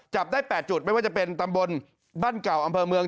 จับได้๘จุดไม่ว่าจะเป็นตำบลบ้านเก่าอำเภอเมือง